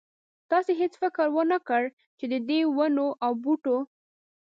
تاسې هېڅ فکر ونه کړ چې ددې ونو او بوټو.